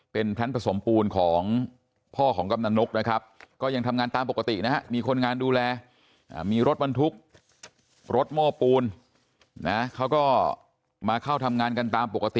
เป็นแพลนผสมปูนของพ่อของกำนันนกนะครับก็ยังทำงานตามปกตินะฮะมีคนงานดูแลมีรถบรรทุกรถโม้ปูนนะเขาก็มาเข้าทำงานกันตามปกติ